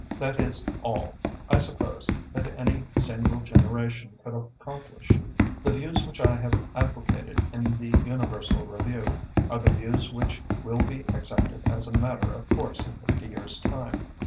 That is all, I suppose, that any single generation could accomplish. The views which I have advocated in the Universal Review are the views which will be accepted as a matter of course in fifty years' time.